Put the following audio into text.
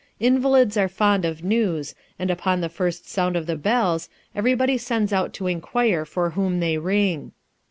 Invalids are fond of news, and upon the first sound of the bells, every body sends out to inquire for whom they ring.